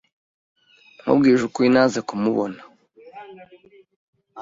Nkubwije ukuri, nanze kumubona.